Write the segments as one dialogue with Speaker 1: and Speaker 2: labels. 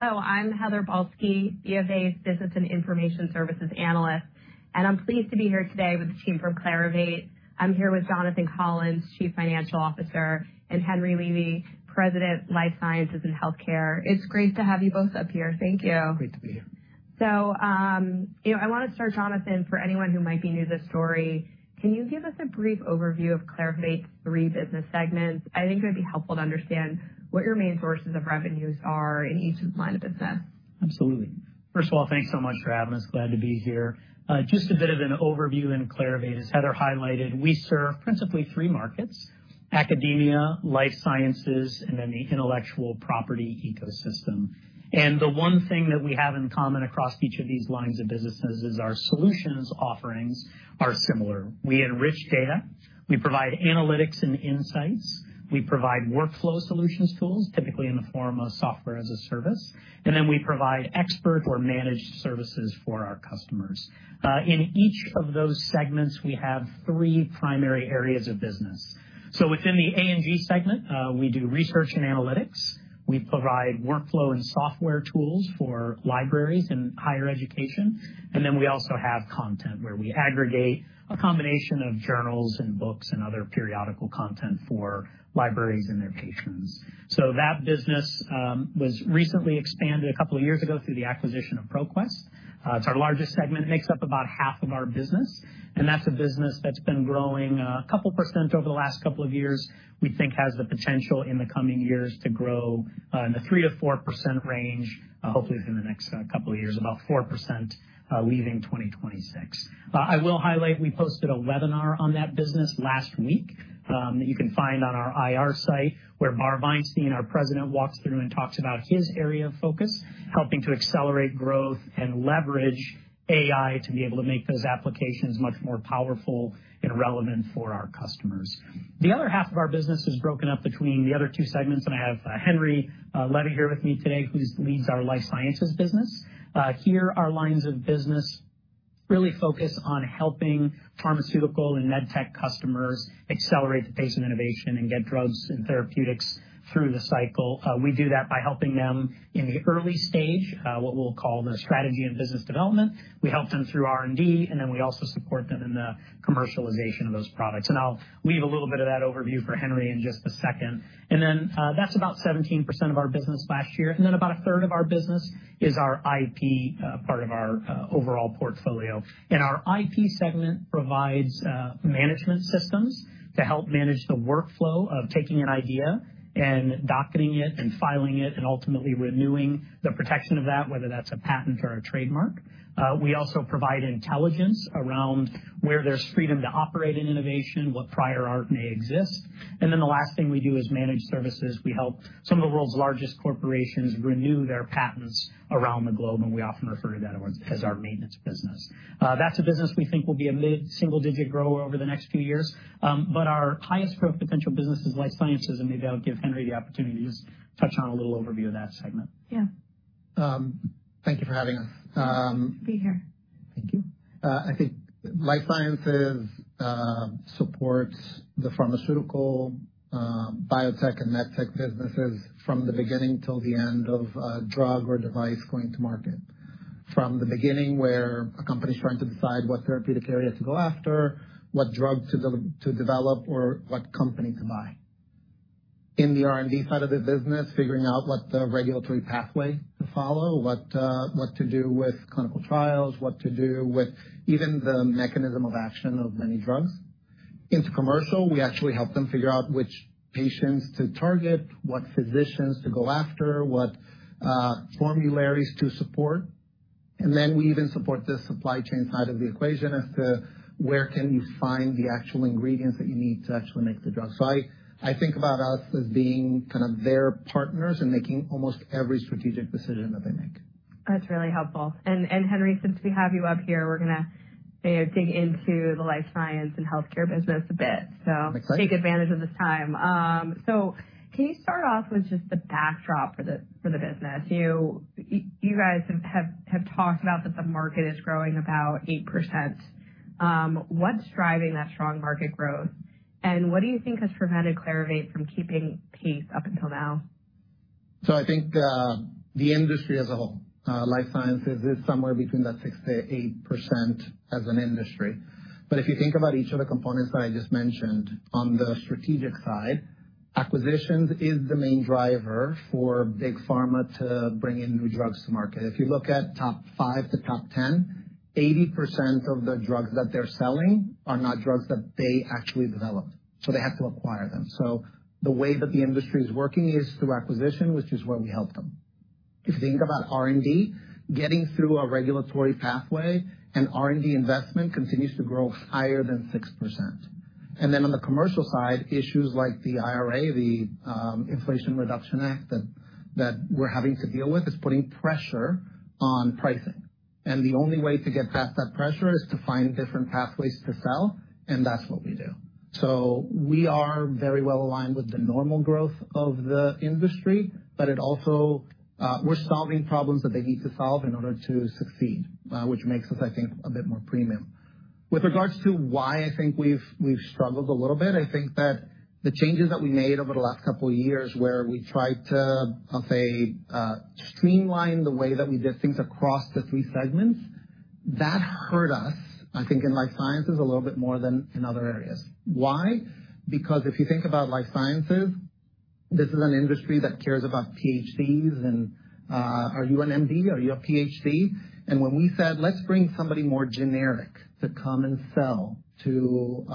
Speaker 1: Hello, I'm Heather Balsky, B of A's Business and Information Services Analyst, and I'm pleased to be here today with the team from Clarivate. I'm here with Jonathan Collins, Chief Financial Officer, and Henry Levy, President, Life Sciences and Healthcare. It's great to have you both up here. Thank you.
Speaker 2: Great to be here.
Speaker 1: So, you know, I want to start, Jonathan, for anyone who might be new to this story, can you give us a brief overview of Clarivate's three business segments? I think it would be helpful to understand what your main sources of revenues are in each line of business.
Speaker 2: Absolutely. First of all, thanks so much for having us. Glad to be here. Just a bit of an overview in Clarivate, as Heather highlighted, we serve principally three markets: academia, life sciences, and then the intellectual property ecosystem. And the one thing that we have in common across each of these lines of businesses is our solutions offerings are similar. We enrich data. We provide analytics and insights. We provide workflow solutions tools, typically in the form of software as a service. And then we provide expert or managed services for our customers. In each of those segments, we have three primary areas of business. So within the A&G segment, we do research and analytics. We provide workflow and software tools for libraries in higher education. Then we also have content, where we aggregate a combination of journals and books and other periodical content for libraries and their patrons. So that business was recently expanded a couple of years ago through the acquisition of ProQuest. It's our largest segment. It makes up about half of our business. And that's a business that's been growing a couple percent over the last couple of years. We think has the potential in the coming years to grow in the 3%-4% range, hopefully within the next couple of years, about 4%, leaving 2026. I will highlight we posted a webinar on that business last week, that you can find on our IR site, where Bar Veinstein, our President, walks through and talks about his area of focus, helping to accelerate growth and leverage AI to be able to make those applications much more powerful and relevant for our customers. The other half of our business is broken up between the other two segments. I have Henry Levy here with me today, who leads our life sciences business. Here, our lines of business really focus on helping pharmaceutical and medtech customers accelerate the pace of innovation and get drugs and therapeutics through the cycle. We do that by helping them in the early stage, what we'll call the strategy and business development. We help them through R&D, and then we also support them in the commercialization of those products. I'll leave a little bit of that overview for Henry in just a second. Then, that's about 17% of our business last year. Then about a third of our business is our IP, part of our overall portfolio. Our IP segment provides management systems to help manage the workflow of taking an idea and docketing it and filing it and ultimately renewing the protection of that, whether that's a patent or a trademark. We also provide intelligence around where there's freedom to operate in innovation, what prior art may exist. Then the last thing we do is manage services. We help some of the world's largest corporations renew their patents around the globe, and we often refer to that as our maintenance business. That's a business we think will be a mid-single-digit grower over the next few years. Our highest growth potential business is Life Sciences, and maybe I'll give Henry the opportunity to just touch on a little overview of that segment.
Speaker 1: Yeah.
Speaker 3: Thank you for having us.
Speaker 1: Be here.
Speaker 3: Thank you. I think life sciences supports the pharmaceutical, biotech, and medtech businesses from the beginning till the end of a drug or device going to market, from the beginning where a company's trying to decide what therapeutic area to go after, what drug to develop, or what company to buy, in the R&D side of the business, figuring out what the regulatory pathway to follow, what to do with clinical trials, what to do with even the mechanism of action of many drugs. Into commercial, we actually help them figure out which patients to target, what physicians to go after, what formularies to support. And then we even support the supply chain side of the equation as to where can you find the actual ingredients that you need to actually make the drug. I think about us as being kind of their partners in making almost every strategic decision that they make.
Speaker 1: That's really helpful. And Henry, since we have you up here, we're gonna, you know, dig into the life science and healthcare business a bit, so.
Speaker 2: Looks like.
Speaker 1: Take advantage of this time. So can you start off with just the backdrop for the business? You, you guys have talked about that the market is growing about 8%. What's driving that strong market growth? And what do you think has prevented Clarivate from keeping pace up until now?
Speaker 3: So I think, the industry as a whole, life sciences, is somewhere between that 6%-8% as an industry. But if you think about each of the components that I just mentioned, on the strategic side, acquisitions is the main driver for big pharma to bring in new drugs to market. If you look at top five to top 10, 80% of the drugs that they're selling are not drugs that they actually develop. So they have to acquire them. So the way that the industry is working is through acquisition, which is where we help them. If you think about R&D, getting through a regulatory pathway and R&D investment continues to grow higher than 6%. And then on the commercial side, issues like the IRA, the Inflation Reduction Act that we're having to deal with, is putting pressure on pricing. The only way to get past that pressure is to find different pathways to sell, and that's what we do. We are very well aligned with the normal growth of the industry, but it also, we're solving problems that they need to solve in order to succeed, which makes us, I think, a bit more premium. With regards to why I think we've struggled a little bit, I think that the changes that we made over the last couple of years where we tried to, I'll say, streamline the way that we did things across the three segments, that hurt us, I think, in life sciences a little bit more than in other areas. Why? Because if you think about life sciences, this is an industry that cares about PhDs and, "Are you an MD? Are you a PhD?" When we said, "Let's bring somebody more generic to come and sell to,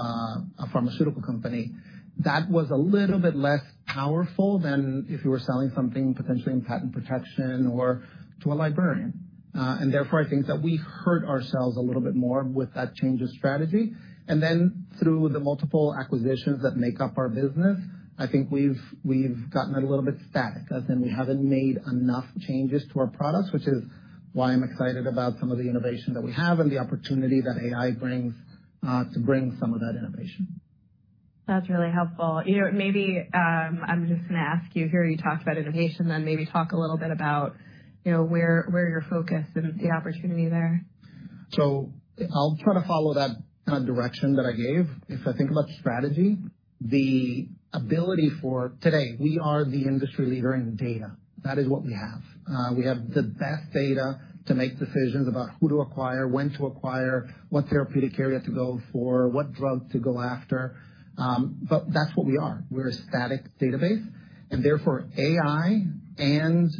Speaker 3: a pharmaceutical company," that was a little bit less powerful than if you were selling something potentially in patent protection or to a librarian. Therefore, I think that we hurt ourselves a little bit more with that change of strategy. Then through the multiple acquisitions that make up our business, I think we've gotten a little bit static, as in we haven't made enough changes to our products, which is why I'm excited about some of the innovation that we have and the opportunity that AI brings, to bring some of that innovation.
Speaker 1: That's really helpful. You know, maybe, I'm just gonna ask you here, you talked about innovation, then maybe talk a little bit about, you know, where, where your focus and the opportunity there.
Speaker 3: So I'll try to follow that kind of direction that I gave. If I think about strategy, the ability for today, we are the industry leader in data. That is what we have. We have the best data to make decisions about who to acquire, when to acquire, what therapeutic area to go for, what drug to go after. But that's what we are. We're a static database. And therefore, AI and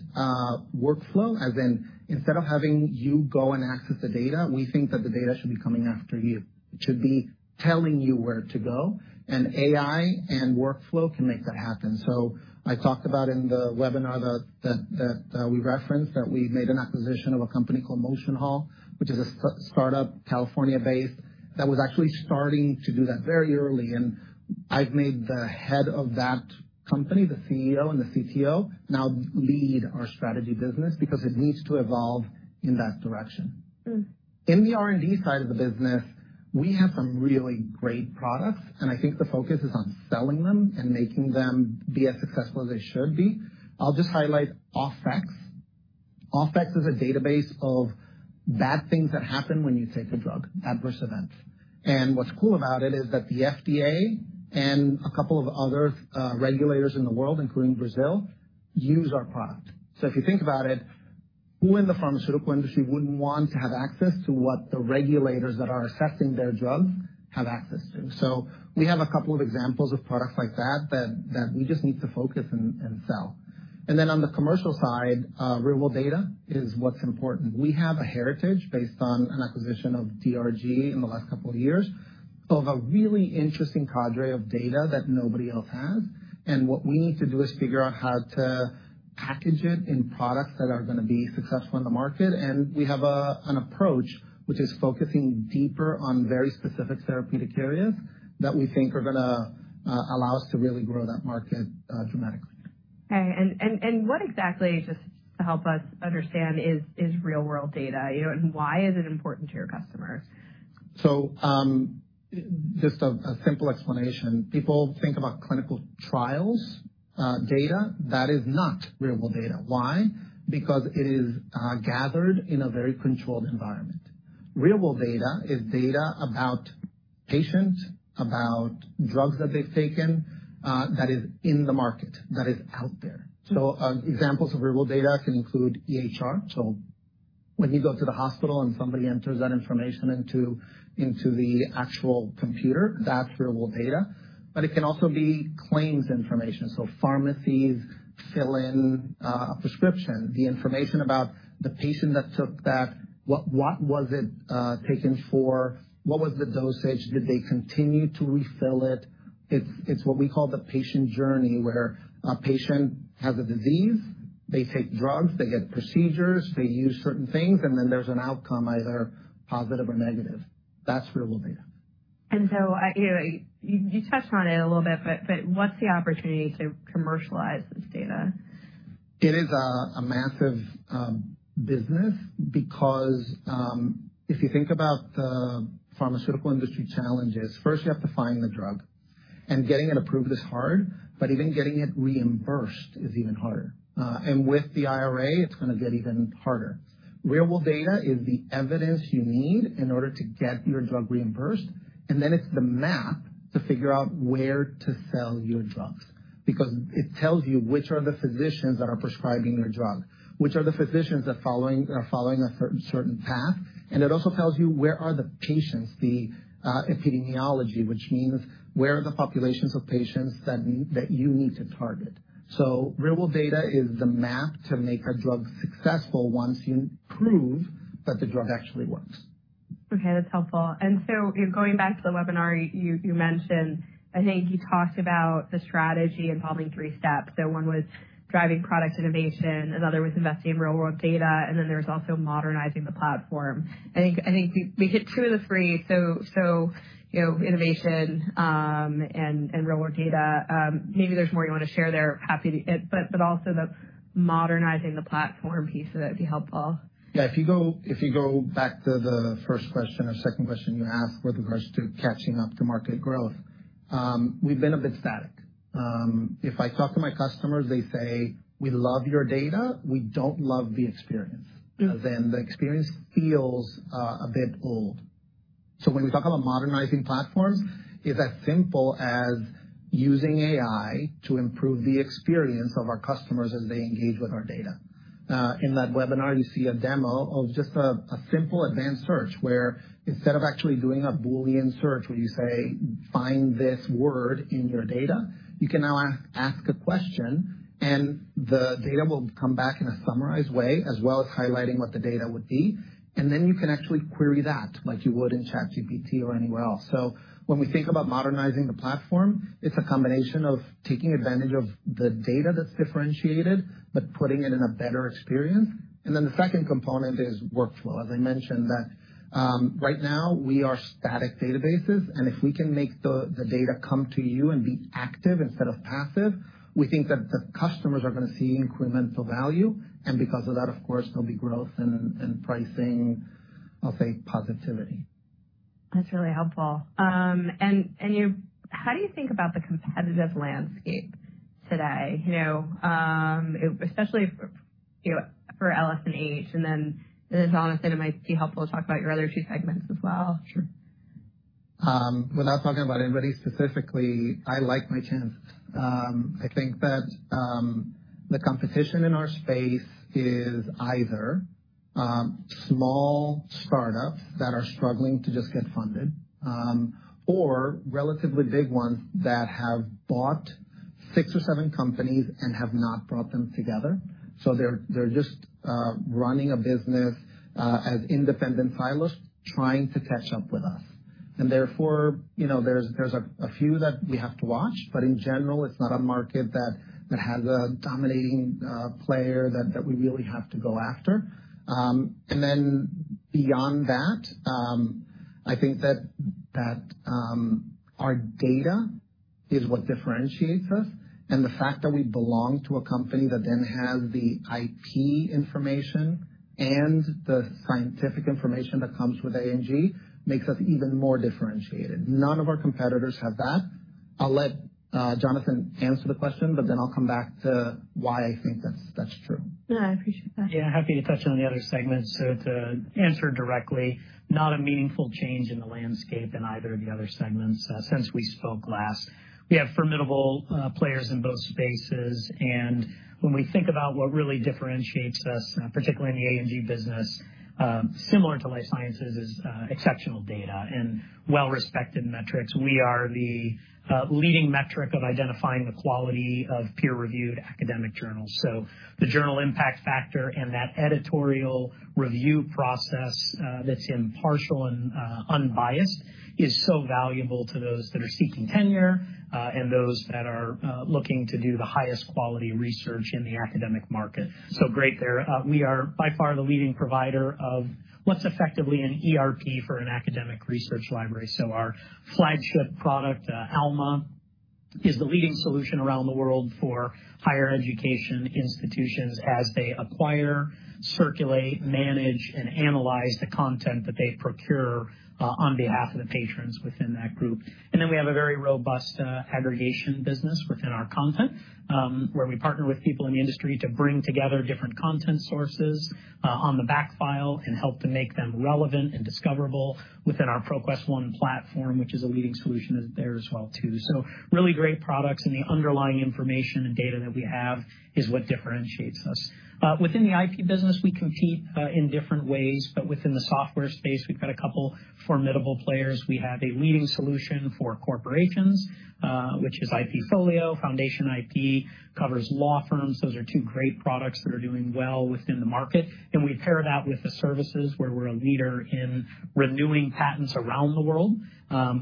Speaker 3: workflow, as in instead of having you go and access the data, we think that the data should be coming after you. It should be telling you where to go. And AI and workflow can make that happen. So I talked about in the webinar that we referenced that we made an acquisition of a company called MotionHall, which is a startup, California-based, that was actually starting to do that very early. I've made the head of that company, the CEO and the CTO, now lead our strategy business because it needs to evolve in that direction. In the R&D side of the business, we have some really great products, and I think the focus is on selling them and making them be as successful as they should be. I'll just highlight Off-X. Off-X is a database of bad things that happen when you take a drug, adverse events. And what's cool about it is that the FDA and a couple of others, regulators in the world, including Brazil, use our product. So if you think about it, who in the pharmaceutical industry wouldn't want to have access to what the regulators that are assessing their drugs have access to? So we have a couple of examples of products like that that we just need to focus and sell. Then on the commercial side, real data is what's important. We have a heritage based on an acquisition of DRG in the last couple of years of a really interesting cadre of data that nobody else has. And what we need to do is figure out how to package it in products that are gonna be successful in the market. And we have an approach, which is focusing deeper on very specific therapeutic areas that we think are gonna allow us to really grow that market, dramatically.
Speaker 1: Okay. What exactly, just to help us understand, is real-world data, you know, and why is it important to your customers?
Speaker 3: So, just a simple explanation. People think about clinical trials data. That is not real-world data. Why? Because it is gathered in a very controlled environment. Real-world data is data about patients, about drugs that they've taken, that is in the market, that is out there. So, examples of real-world data can include EHR. So when you go to the hospital and somebody enters that information into the actual computer, that's real-world data. But it can also be claims information, so pharmacies fill in a prescription, the information about the patient that took that, what was it taken for, what was the dosage, did they continue to refill it. It's what we call the patient journey, where patient has a disease, they take drugs, they get procedures, they use certain things, and then there's an outcome either positive or negative. That's real-world data.
Speaker 1: And so, you know, you touched on it a little bit, but what's the opportunity to commercialize this data?
Speaker 3: It is a massive business because, if you think about the pharmaceutical industry challenges, first, you have to find the drug. And getting it approved is hard, but even getting it reimbursed is even harder. And with the IRA, it's gonna get even harder. Real-world data is the evidence you need in order to get your drug reimbursed. And then it's the map to figure out where to sell your drugs because it tells you which are the physicians that are prescribing your drug, which are the physicians that are following a certain path. And it also tells you where are the patients, the epidemiology, which means where are the populations of patients that that you need to target. So real-world data is the map to make a drug successful once you prove that the drug actually works.
Speaker 1: Okay. That's helpful. And so, you know, going back to the webinar, you mentioned I think you talked about the strategy involving three steps. So one was driving product innovation. Another was investing in real-world data. And then there was also modernizing the platform. I think we hit two of the three. So, you know, innovation, and real-world data. Maybe there's more you wanna share there. Happy to it, but also the modernizing the platform piece of that would be helpful.
Speaker 3: Yeah. If you go if you go back to the first question or second question you asked with regards to catching up to market growth, we've been a bit static. If I talk to my customers, they say, "We love your data. We don't love the experience," as in the experience feels a bit old. So when we talk about modernizing platforms, it's as simple as using AI to improve the experience of our customers as they engage with our data. In that webinar, you see a demo of just a simple advanced search where instead of actually doing a Boolean search where you say, "Find this word in your data," you can now ask a question, and the data will come back in a summarized way as well as highlighting what the data would be. Then you can actually query that like you would in ChatGPT or anywhere else. So when we think about modernizing the platform, it's a combination of taking advantage of the data that's differentiated but putting it in a better experience. And then the second component is workflow, as I mentioned, that right now we are static databases. And if we can make the data come to you and be active instead of passive, we think that the customers are gonna see incremental value. And because of that, of course, there'll be growth and pricing, I'll say, positivity.
Speaker 1: That's really helpful. And how do you think about the competitive landscape today? You know, it especially for, you know, for LS&H. And then, Jonathan, it might be helpful to talk about your other two segments as well.
Speaker 3: Sure. Without talking about anybody specifically, I like my chances. I think that the competition in our space is either small startups that are struggling to just get funded, or relatively big ones that have bought six or seven companies and have not brought them together. So they're just running a business as independent silos trying to catch up with us. And therefore, you know, there's a few that we have to watch. But in general, it's not a market that has a dominating player that we really have to go after. And then beyond that, I think that our data is what differentiates us. And the fact that we belong to a company that then has the IP information and the scientific information that comes with A&G makes us even more differentiated. None of our competitors have that. I'll let Jonathan answer the question, but then I'll come back to why I think that's, that's true.
Speaker 1: Yeah. I appreciate that.
Speaker 2: Yeah. Happy to touch on the other segments. So to answer directly, not a meaningful change in the landscape in either of the other segments, since we spoke last. We have formidable players in both spaces. And when we think about what really differentiates us, particularly in the A&G business, similar to life sciences, is exceptional data and well-respected metrics. We are the leading metric of identifying the quality of peer-reviewed academic journals. So the Journal Impact Factor and that editorial review process, that's impartial and unbiased, is so valuable to those that are seeking tenure, and those that are looking to do the highest quality research in the academic market. So great there. We are by far the leading provider of what's effectively an ERP for an academic research library. So our flagship product, Alma, is the leading solution around the world for higher education institutions as they acquire, circulate, manage, and analyze the content that they procure, on behalf of the patrons within that group. And then we have a very robust aggregation business within our content, where we partner with people in the industry to bring together different content sources on the backfile and help to make them relevant and discoverable within our ProQuest One platform, which is a leading solution there as well too. So really great products. And the underlying information and data that we have is what differentiates us. Within the IP business, we compete in different ways. But within the software space, we've got a couple formidable players. We have a leading solution for corporations, which is IPfolio; FoundationIP covers law firms. Those are two great products that are doing well within the market. And we pair that with the services where we're a leader in renewing patents around the world.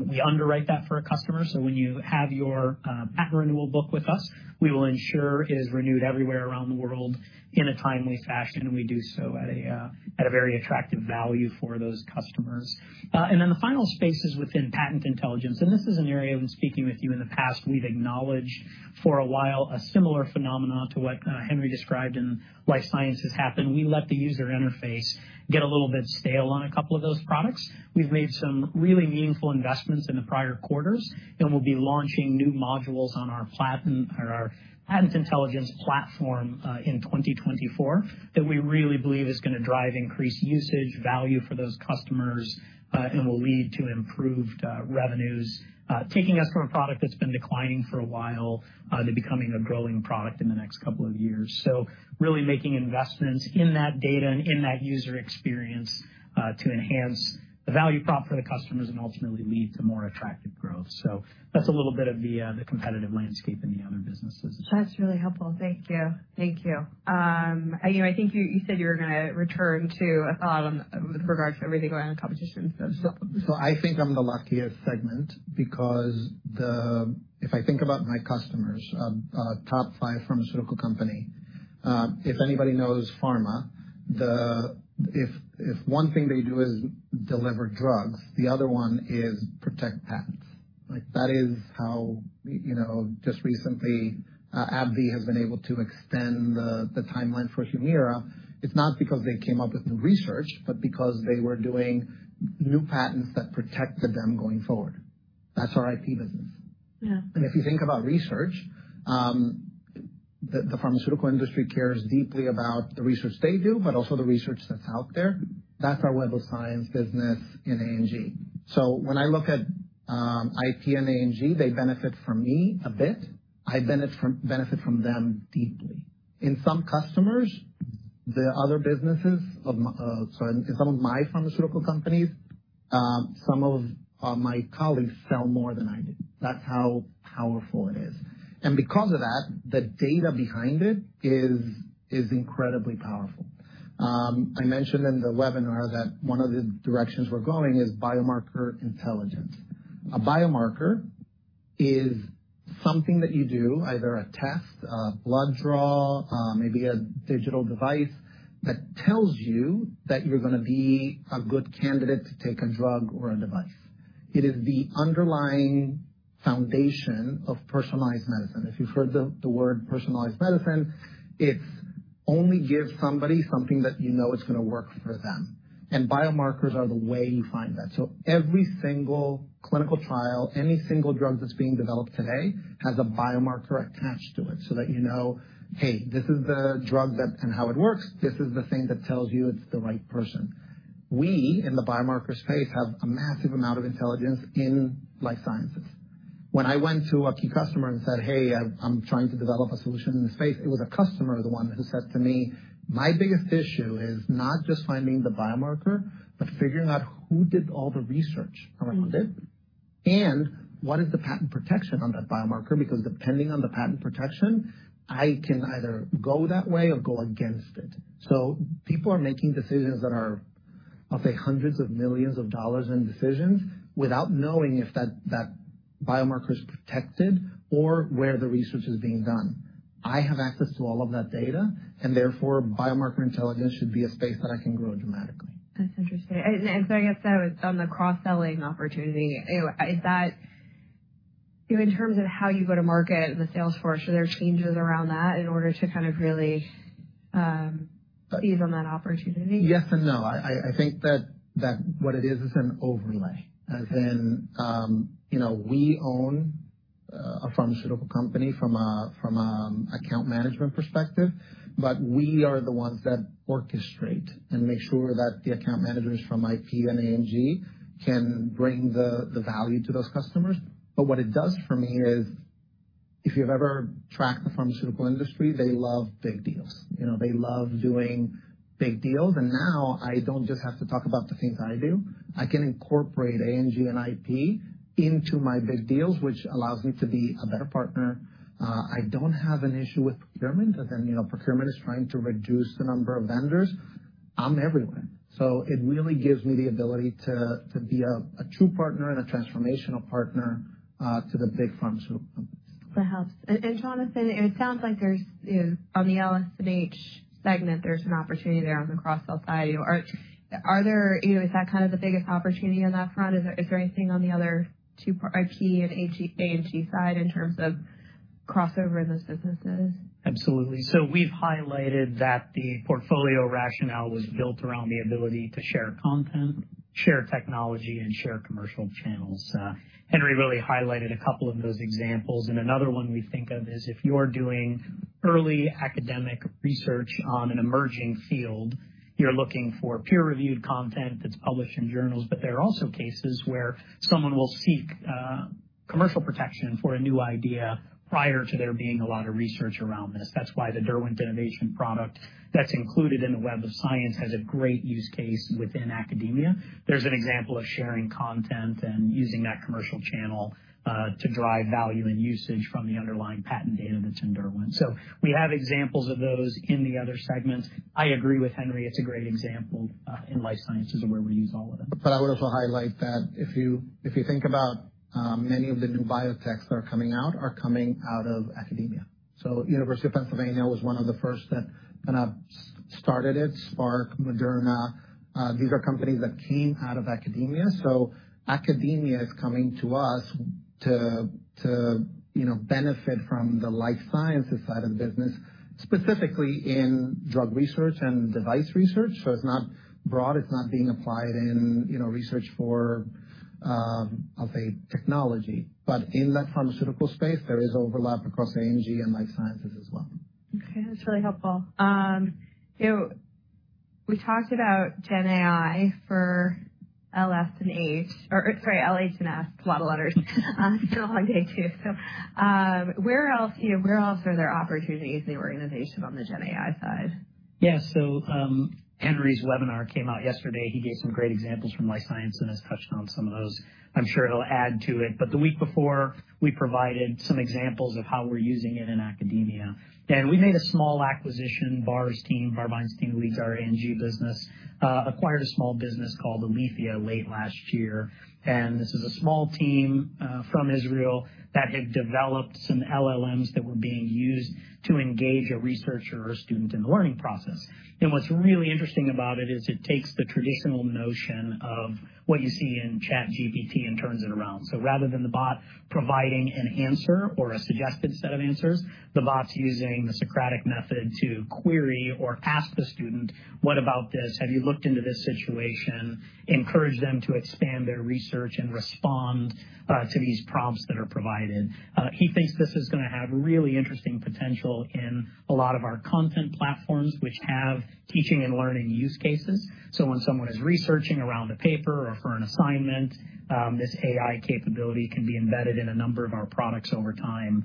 Speaker 2: We underwrite that for a customer. So when you have your patent renewal book with us, we will ensure it is renewed everywhere around the world in a timely fashion. And we do so at a very attractive value for those customers. And then the final space is within patent intelligence. And this is an area I've been speaking with you in the past. We've acknowledged for a while a similar phenomenon to what Henry described in life sciences happened. We let the user interface get a little bit stale on a couple of those products. We've made some really meaningful investments in the prior quarters. We'll be launching new modules on our platform or our Patent Intelligence platform, in 2024 that we really believe is gonna drive increased usage, value for those customers, and will lead to improved revenues, taking us from a product that's been declining for a while, to becoming a growing product in the next couple of years. Really making investments in that data and in that user experience, to enhance the value prop for the customers and ultimately lead to more attractive growth. That's a little bit of the competitive landscape in the other businesses.
Speaker 1: That's really helpful. Thank you. Thank you. You know, I think you, you said you were gonna return to a thought on with regards to everything going on in competitions, so.
Speaker 3: So, I think I'm the luckiest segment because if I think about my customers, a top five pharmaceutical company, if anybody knows pharma, if one thing they do is deliver drugs, the other one is protect patents. Like, that is how, you know, just recently, AbbVie has been able to extend the timeline for Humira. It's not because they came up with new research but because they were doing new patents that protected them going forward. That's our IP business.
Speaker 1: Yeah.
Speaker 3: And if you think about research, the pharmaceutical industry cares deeply about the research they do but also the research that's out there. That's our Web of Science business in A&G. So when I look at IP and A&G, they benefit from me a bit. I benefit from them deeply. In some customers, the other businesses of mine so in some of my pharmaceutical companies, some of my colleagues sell more than I do. That's how powerful it is. And because of that, the data behind it is incredibly powerful. I mentioned in the webinar that one of the directions we're going is biomarker intelligence. A biomarker is something that you do, either a test, a blood draw, maybe a digital device that tells you that you're gonna be a good candidate to take a drug or a device. It is the underlying foundation of personalized medicine. If you've heard the word personalized medicine, it's only give somebody something that you know is gonna work for them. Biomarkers are the way you find that. So every single clinical trial, any single drug that's being developed today has a biomarker attached to it so that you know, "Hey, this is the drug that and how it works. This is the thing that tells you it's the right person." We in the biomarker space have a massive amount of intelligence in life sciences. When I went to a key customer and said, "Hey, I'm trying to develop a solution in the space," it was a customer, the one, who said to me, "My biggest issue is not just finding the biomarker but figuring out who did all the research around it and what is the patent protection on that biomarker because depending on the patent protection, I can either go that way or go against it." So people are making decisions that are, I'll say, $hundreds of millions in decisions without knowing if that biomarker is protected or where the research is being done. I have access to all of that data. And therefore, biomarker intelligence should be a space that I can grow dramatically.
Speaker 1: That's interesting. And so I guess that was on the cross-selling opportunity. You know, is that, you know, in terms of how you go to market in the sales force, are there changes around that in order to kind of really seize on that opportunity?
Speaker 3: Yes and no. I think that what it is is an overlay as in, you know, we own a pharmaceutical company from an account management perspective. But we are the ones that orchestrate and make sure that the account managers from IP and A&G can bring the value to those customers. But what it does for me is if you've ever tracked the pharmaceutical industry, they love big deals. You know, they love doing big deals. And now, I don't just have to talk about the things I do. I can incorporate A&G and IP into my big deals, which allows me to be a better partner. I don't have an issue with procurement as in, you know, procurement is trying to reduce the number of vendors. I'm everywhere. It really gives me the ability to be a true partner and a transformational partner to the big pharmaceutical companies.
Speaker 1: That helps. And Jonathan, it sounds like there's, you know, on the LS&H segment, there's an opportunity there on the cross-sell side. You know, are there, you know, is that kind of the biggest opportunity on that front? Is there anything on the other two parts IP and A&G side in terms of crossover in those businesses?
Speaker 2: Absolutely. So we've highlighted that the portfolio rationale was built around the ability to share content, share technology, and share commercial channels. Henry really highlighted a couple of those examples. And another one we think of is if you're doing early academic research on an emerging field, you're looking for peer-reviewed content that's published in journals. But there are also cases where someone will seek commercial protection for a new idea prior to there being a lot of research around this. That's why the Derwent Innovation product that's included in the Web of Science has a great use case within academia. There's an example of sharing content and using that commercial channel to drive value and usage from the underlying patent data that's in Derwent. So we have examples of those in the other segments. I agree with Henry. It's a great example, in life sciences of where we use all of them.
Speaker 3: But I would also highlight that if you think about, many of the new biotechs that are coming out are coming out of academia. So University of Pennsylvania was one of the first that kinda started it, Spark, Moderna. These are companies that came out of academia. So academia is coming to us to, you know, benefit from the life sciences side of the business, specifically in drug research and device research. So it's not broad. It's not being applied in, you know, research for, I'll say, technology. But in that pharmaceutical space, there is overlap across A&G and life sciences as well.
Speaker 1: Okay. That's really helpful. You know, we talked about GenAI for LS&H or sorry, LH&S. It's a lot of letters. It's been a long day too. So, where else you know, where else are there opportunities in the organization on the GenAI side?
Speaker 2: Yeah. So, Henry's webinar came out yesterday. He gave some great examples from life science and has touched on some of those. I'm sure he'll add to it. But the week before, we provided some examples of how we're using it in academia. And we made a small acquisition. Bar Veinstein's team, Bar Veinstein, leads our A&G business, acquired a small business called Alethea late last year. And this is a small team, from Israel that had developed some LLMs that were being used to engage a researcher or a student in the learning process. And what's really interesting about it is it takes the traditional notion of what you see in ChatGPT and turns it around. So rather than the bot providing an answer or a suggested set of answers, the bot's using the Socratic method to query or ask the student, "What about this? Have you looked into this situation?" Encourage them to expand their research and respond to these prompts that are provided. He thinks this is gonna have really interesting potential in a lot of our content platforms, which have teaching and learning use cases. So when someone is researching around a paper or for an assignment, this AI capability can be embedded in a number of our products over time,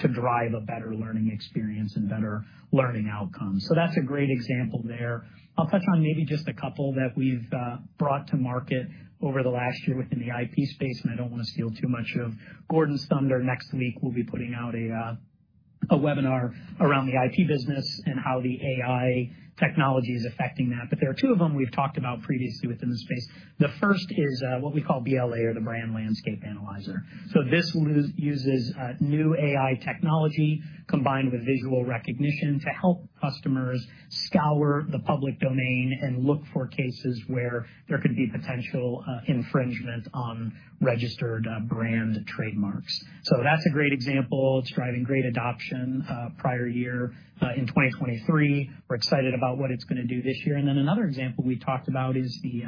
Speaker 2: to drive a better learning experience and better learning outcomes. So that's a great example there. I'll touch on maybe just a couple that we've brought to market over the last year within the IP space. And I don't wanna steal too much of Gordon's thunder. Next week, we'll be putting out a webinar around the IP business and how the AI technology is affecting that. But there are two of them we've talked about previously within the space. The first is, what we call BLA or the Brand Landscape Analyzer. So this tool uses new AI technology combined with visual recognition to help customers scour the public domain and look for cases where there could be potential infringement on registered brand trademarks. So that's a great example. It's driving great adoption prior year. In 2023, we're excited about what it's gonna do this year. And then another example we talked about is the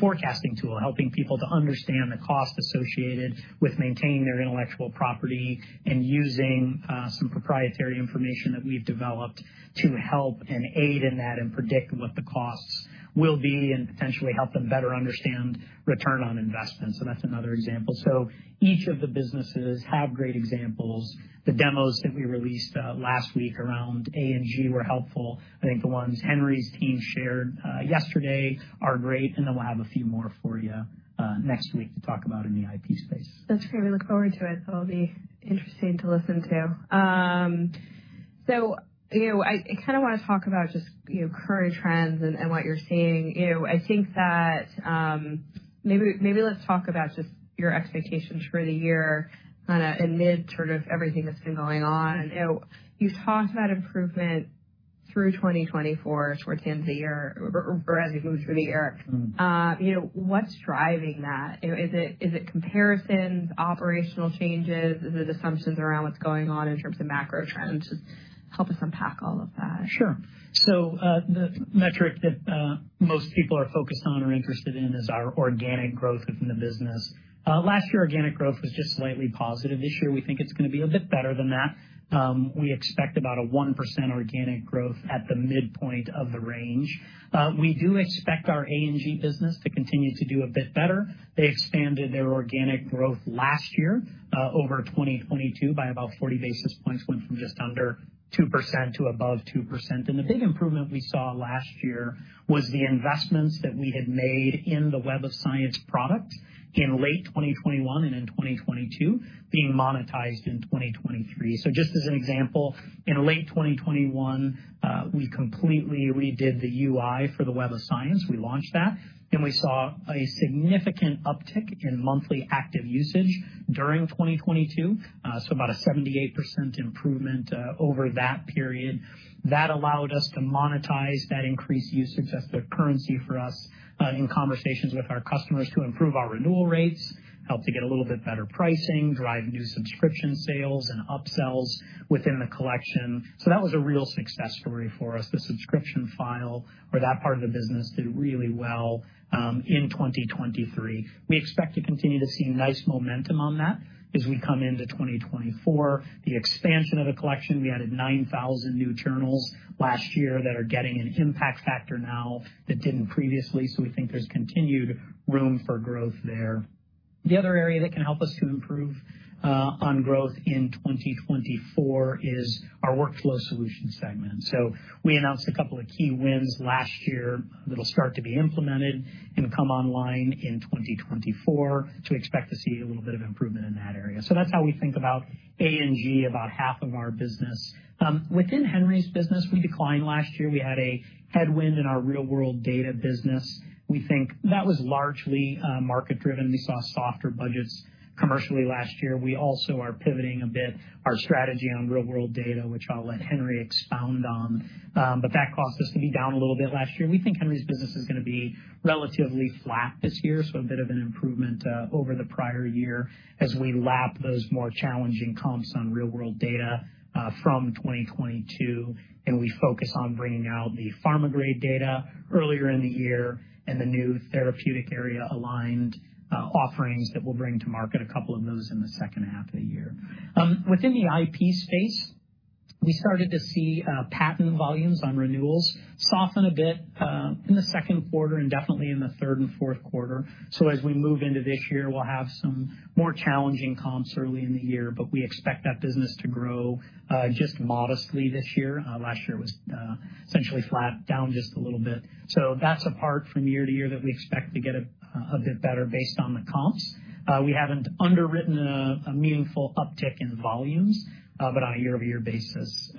Speaker 2: forecasting tool, helping people to understand the cost associated with maintaining their intellectual property and using some proprietary information that we've developed to help and aid in that and predict what the costs will be and potentially help them better understand return on investment. So that's another example. So each of the businesses have great examples. The demos that we released last week around A&G were helpful. I think the ones Henry's team shared yesterday are great. And then we'll have a few more for you next week to talk about in the IP space.
Speaker 1: That's great. We look forward to it. That'll be interesting to listen to. So, you know, I kinda wanna talk about just, you know, current trends and what you're seeing. You know, I think that, maybe let's talk about just your expectations for the year kinda in the midst of everything that's been going on. You know, you've talked about improvement through 2024 towards the end of the year or as we move through the year.
Speaker 3: Mm-hmm.
Speaker 1: You know, what's driving that? You know, is it is it comparisons, operational changes? Is it assumptions around what's going on in terms of macro trends? Just help us unpack all of that.
Speaker 2: Sure. So, the metric that most people are focused on or interested in is our organic growth within the business. Last year, organic growth was just slightly positive. This year, we think it's gonna be a bit better than that. We expect about a 1% organic growth at the midpoint of the range. We do expect our A&G business to continue to do a bit better. They expanded their organic growth last year, over 2022 by about 40 basis points, went from just under 2% to above 2%. And the big improvement we saw last year was the investments that we had made in the Web of Science product in late 2021 and in 2022 being monetized in 2023. So just as an example, in late 2021, we completely redid the UI for the Web of Science. We launched that. We saw a significant uptick in monthly active usage during 2022, so about a 78% improvement over that period. That allowed us to monetize that increased usage as the currency for us, in conversations with our customers to improve our renewal rates, help to get a little bit better pricing, drive new subscription sales, and upsells within the collection. So that was a real success story for us. The subscription file or that part of the business did really well in 2023. We expect to continue to see nice momentum on that as we come into 2024, the expansion of the collection. We added 9,000 new journals last year that are getting an impact factor now that didn't previously. So we think there's continued room for growth there. The other area that can help us to improve on growth in 2024 is our workflow solution segment. So we announced a couple of key wins last year that'll start to be implemented and come online in 2024. So we expect to see a little bit of improvement in that area. So that's how we think about A&G, about half of our business. Within Henry's business, we declined last year. We had a headwind in our real-world data business. We think that was largely market-driven. We saw softer budgets commercially last year. We also are pivoting a bit our strategy on real-world data, which I'll let Henry expound on. But that caused us to be down a little bit last year. We think Henry's business is gonna be relatively flat this year. So a bit of an improvement over the prior year as we lap those more challenging comps on real-world data from 2022. We focus on bringing out the pharma-grade data earlier in the year and the new therapeutic-area-aligned offerings that we'll bring to market, a couple of those in the second half of the year. Within the IP space, we started to see patent volumes on renewals soften a bit in the second quarter and definitely in the third and fourth quarter. As we move into this year, we'll have some more challenging comps early in the year. But we expect that business to grow just modestly this year. Last year, it was essentially flat, down just a little bit. That's apart from year-to-year that we expect to get a bit better based on the comps. We haven't underwritten a meaningful uptick in volumes. but on a year-over-year basis,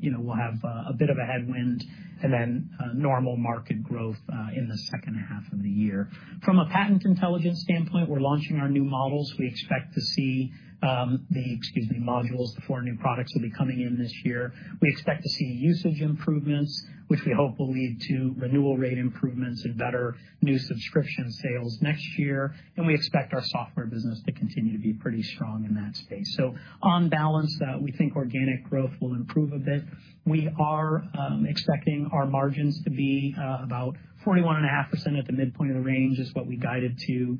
Speaker 2: you know, we'll have a bit of a headwind and then normal market growth in the second half of the year. From a patent intelligence standpoint, we're launching our new models. We expect to see the, excuse me, modules. The 4 new products will be coming in this year. We expect to see usage improvements, which we hope will lead to renewal rate improvements and better new subscription sales next year. And we expect our software business to continue to be pretty strong in that space. So on balance, we think organic growth will improve a bit. We are expecting our margins to be about 41.5% at the midpoint of the range, which is what we guided to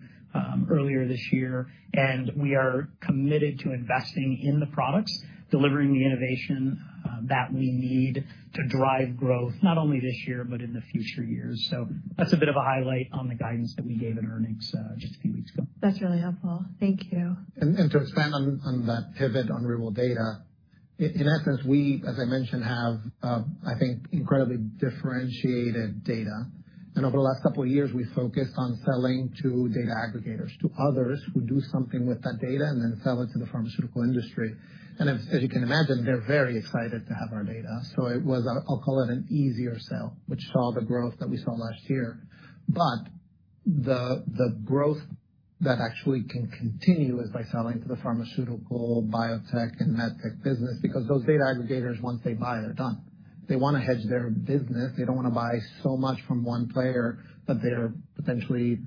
Speaker 2: earlier this year. We are committed to investing in the products, delivering the innovation, that we need to drive growth not only this year but in the future years. That's a bit of a highlight on the guidance that we gave in earnings, just a few weeks ago.
Speaker 1: That's really helpful. Thank you.
Speaker 3: To expand on that pivot on real-world data, in essence, we, as I mentioned, have, I think, incredibly differentiated data. Over the last couple of years, we focused on selling to data aggregators, to others who do something with that data and then sell it to the pharmaceutical industry. As you can imagine, they're very excited to have our data. So it was a, I'll call it, an easier sale, which saw the growth that we saw last year. But the growth that actually can continue is by selling to the pharmaceutical, biotech, and medtech business because those data aggregators, once they buy, they're done. They wanna hedge their business. They don't wanna buy so much from one player. But they're potentially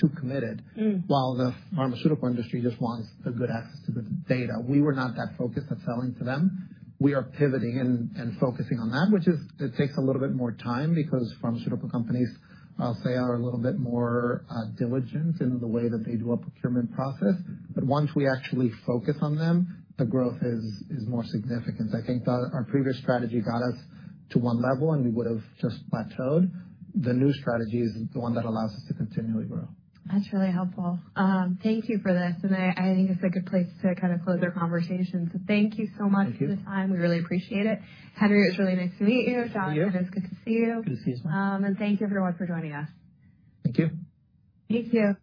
Speaker 3: too committed.
Speaker 1: Mm-hmm.
Speaker 3: While the pharmaceutical industry just wants good access to good data. We were not that focused on selling to them. We are pivoting and focusing on that, which takes a little bit more time because pharmaceutical companies, I'll say, are a little bit more diligent in the way that they do a procurement process. But once we actually focus on them, the growth is more significant. I think our previous strategy got us to one level, and we would have just plateaued. The new strategy is the one that allows us to continually grow.
Speaker 1: That's really helpful. Thank you for this. I, I think it's a good place to kinda close our conversation. So thank you so much.
Speaker 3: Thank you.
Speaker 1: For the time. We really appreciate it. Henry, it was really nice to meet you.
Speaker 3: Thank you.
Speaker 1: John, it was good to see you.
Speaker 2: Good to see you as well.
Speaker 1: Thank you everyone for joining us.
Speaker 2: Thank you.
Speaker 1: Thank you.